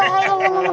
aneh ya allah